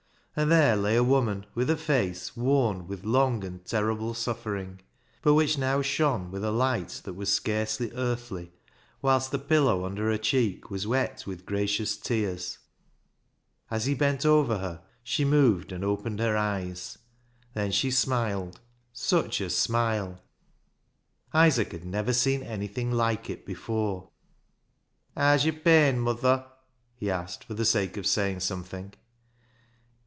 And there lay a woman with a face worn with long and terrible suffering, but which now shone with a light that was scarcely earthly, whilst the pillow under her cheek was wet with gracious tears. As he bent over her she moved and opened her eyes. Then she smiled. Such a smile ! Isaac had never seen anything like it before. " Haa's yo'r pain, muther?" he asked, for the sake of saying something.